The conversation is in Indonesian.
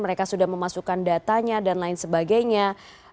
mereka sudah memasukkan datanya dan lain sebagainya